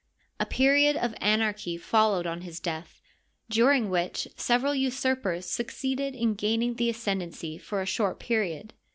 A period of anarchy followed on his death, during which several usurpers succeeded in gaining the ascendency for a short period.